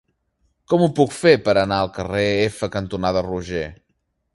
Com ho puc fer per anar al carrer F cantonada Roger?